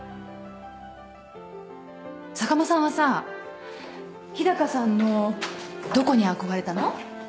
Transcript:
坂間さんはさ日高さんのどこに憧れたの？